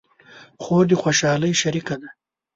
خور د خوشحالۍ شریکه ده.